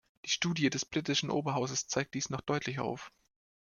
Die Studie des britischen Oberhauses zeigt dies noch deutlicher auf.